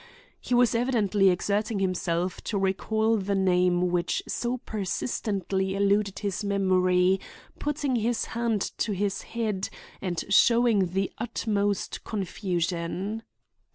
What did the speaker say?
He was evidently exerting himself to recall the name which so persistently eluded his memory, putting his hand to his head and showing the utmost confusion.